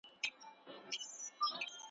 پتنګه وایه ته څشي غواړې `